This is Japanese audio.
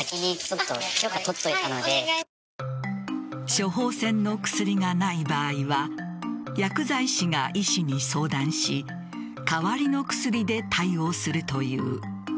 処方せんの薬がない場合は薬剤師が医師に相談し代わりの薬で対応するという。